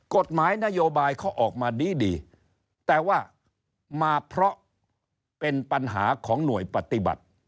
กฎหมายนโยบายเขาออกมาดีดีแต่ว่ามาเพราะเป็นปัญหาของหน่วยปฏิบัติ